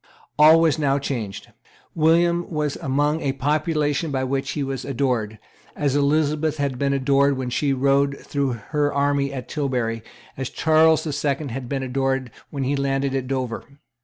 All was now changed. William was among a population by which he was adored, as Elizabeth had been adored when she rode through her army at Tilbury, as Charles the Second had been adored when he landed at Dover.